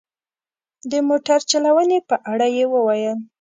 د موټر چلونې په اړه یې وویل.